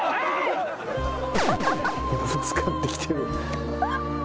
ぶつかってきてる。